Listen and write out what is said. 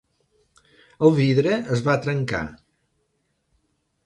El vidre es va trencar.